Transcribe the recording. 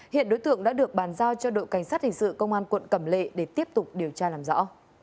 hiện đối tượng đã được bàn giao cho đội cảnh sát hình sự công an quận cẩm lệ để tiếp tục điều tra làm rõ